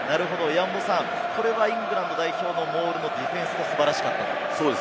これはイングランド代表のモールのディフェンスが素晴らしかった。